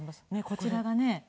こちらがね。